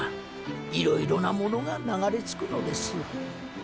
いろいろなものが流れ着くのです。